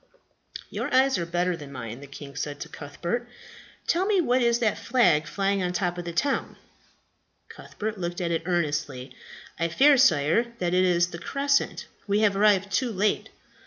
"Your eyes are better than mine," the king said to Cuthbert. "Tell me what is that flag flying on the top of the town." Cuthbert looked at it earnestly. "I fear, sire, that it is the crescent. We have arrived too late."